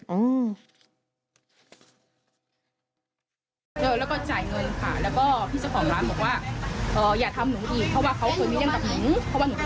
แต่ว่าเจ้าก็ตี